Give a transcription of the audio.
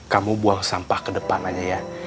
kamu buang sampah ke depan aja ya